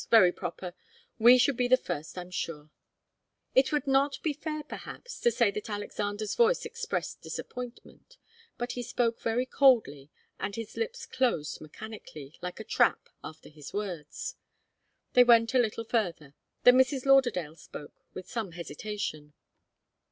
Very proper. We should be the first, I'm sure." It would not be fair, perhaps, to say that Alexander's voice expressed disappointment. But he spoke very coldly and his lips closed mechanically, like a trap, after his words. They went on a little further. Then Mrs. Lauderdale spoke, with some hesitation.